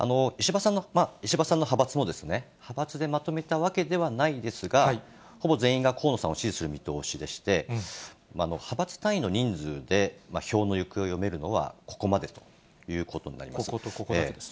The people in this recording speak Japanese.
石破さんの派閥もですね、派閥でまとめたわけではないですが、ほぼ全員が河野さんを支持する見通しでして、派閥単位の人数で票の行方を読めるのはここまでということになりこことここだけですね。